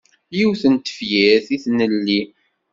Yiwet n tefyirt i tnelli.